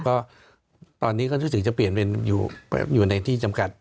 ก็ตอนนี้ก็รู้สึกจะเปลี่ยนเป็นอยู่ในที่จำกัด